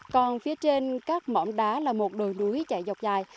còn phía trên các mỏm đá là một đồi núi chạy dọc dài